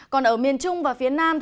còn ở miền trung và phía nam